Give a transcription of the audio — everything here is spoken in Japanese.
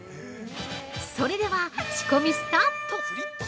それでは、仕込みスタート！